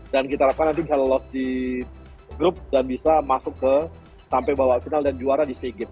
dan kita harapkan nanti kalau di grup dan bisa masuk ke sampai bawah final dan juara di sea games